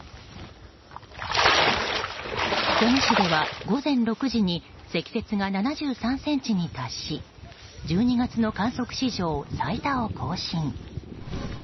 彦根市では午前６時に積雪が７３ｃｍに達し１２月の観測史上最多を更新。